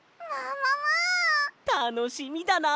たのしみだな！